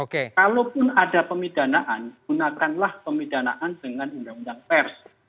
kalaupun ada pemidanaan gunakanlah pemidanaan dengan undang undang pers